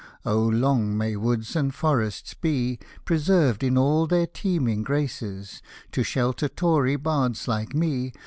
Oh long may Woods and Forests be Preserved, in all their teeming graces. To shelter Tory bards, like me.